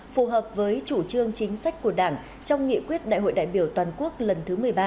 phù hợp với chủ trương chính sách của đảng trong nghị quyết đại hội đại biểu toàn quốc lần thứ một mươi ba